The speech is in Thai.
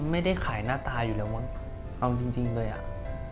ไม่ได้ขายหน้าตาอยู่แล้วมั้งเอาจริงเลยอ่ะ